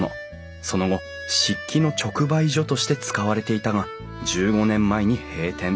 その後漆器の直売所として使われていたが１５年前に閉店。